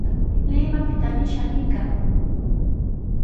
Limaqpitami shamuykaa.